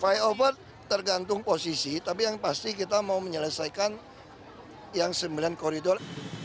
flyover tergantung posisi tapi yang pasti kita mau menyelesaikan yang sembilan koridor